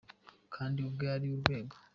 Kandi ubwe ari urwego